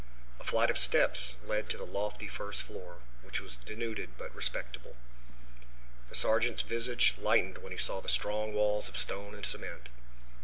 A flight of steps led to the lofty first floor, which was denuded but respectable. The sergeant's visage lightened when he saw the strong walls of stone and cement.